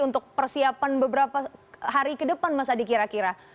untuk persiapan beberapa hari ke depan mas adi kira kira